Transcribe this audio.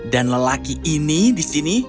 dan lelaki ini di sini